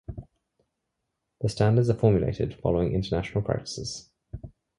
The standards are formulated following international practices.